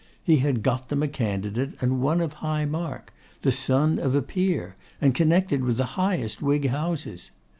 He had got them a candidate, and one of high mark, the son of a Peer, and connected with the highest Whig houses.